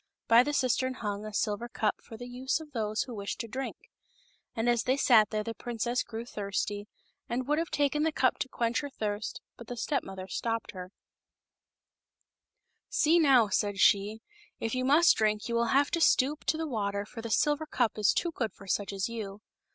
By the cis tern hung a silver cup for the use of those who wished to drink. And as they sat there the princess grew thirsty, and would have taken the cup to quench her thirst, but the step mother stopped her. 192 MOTHER HILDEGARDE. " See, now," said she, " if you must drink you will have to stoop to the water, for the silver cup is too good for such as you.'